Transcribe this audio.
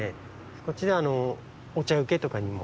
こっちではおちゃうけとかにも。